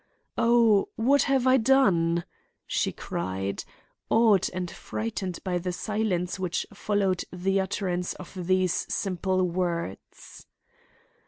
Oh, what have I done?" she cried, awed and frightened by the silence which followed the utterance of these simple words.